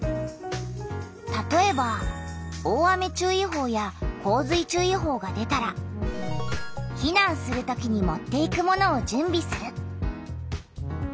たとえば大雨注意報や洪水注意報が出たら「避難する時に持っていくものを準備する」。